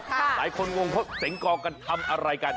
หลายคนงงเพราะเสียงกองกันทำอะไรกัน